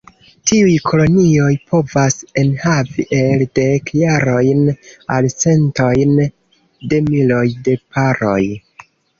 Tiuj kolonioj povas enhavi el dek parojn al centojn de miloj de paroj.